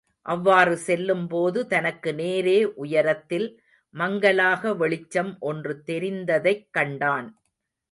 அவ்வாறு செல்லும்போது தனக்கு நேரே உயரத்தில் மங்கலாக வெளிச்சம் ஒன்று தெரிந்ததைக் கண்டான்.